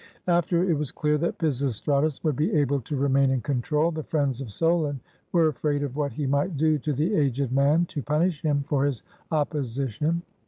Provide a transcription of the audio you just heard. After it was clear that Pisistratus would be able to remain in control, the friends of Solon were afraid of what he might do to the aged man to punish him for his opposition.